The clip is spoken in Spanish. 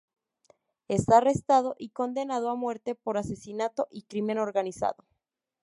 Es arrestado y condenado a muerte por asesinato y crimen organizado.